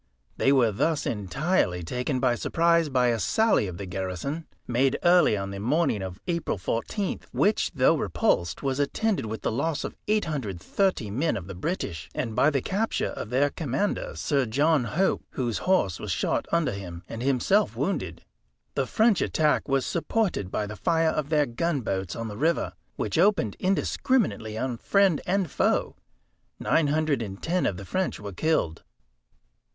They were thus entirely taken by surprise by a sally of the garrison, made early on the morning of April 14th; which, though repulsed, was attended with the loss of 830 men of the British, and by the capture of their commander, Sir John Hope, whose horse was shot under him, and himself wounded. The French attack was supported by the fire of their gunboats on the river, which opened indiscriminately on friend and foe. Nine hundred and ten of the French were killed."